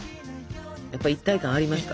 やっぱ一体感ありますか？